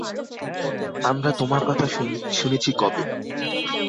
আমরা তোমার কথা শুনেছি কবে?